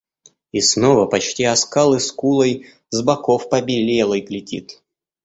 И снова почти о скалы скулой, с боков побелелой глядит.